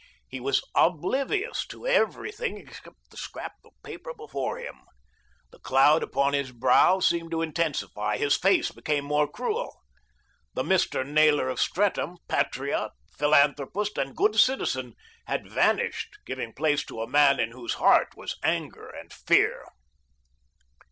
He was oblivious to everything except the scrap of paper before him. The cloud upon his brow seemed to intensify, his face became more cruel. The Mr. Naylor of Streatham, patriot, philanthropist and good citizen, had vanished, giving place to a man in whose heart was anger and fear.